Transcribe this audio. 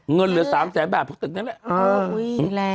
เงินเหลือ๓แสนแบบทุกตึกนั้นแหละ